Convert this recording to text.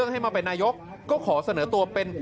ให้มาเป็นนายกก็ขอเสนอตัวเป็น